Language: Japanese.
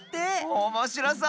おもしろそう！